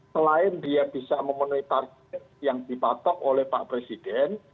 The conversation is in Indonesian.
selain dia bisa memenuhi target yang dipatok oleh pak presiden